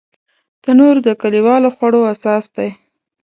تنور د کلیوالو خوړو اساس دی